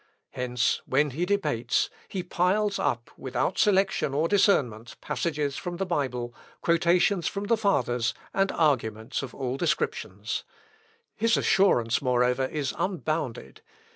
Hence, when he debates, he piles up, without selection or discernment, passages from the Bible, quotations from the Fathers, and arguments of all descriptions. His assurance, moreover, is unbounded.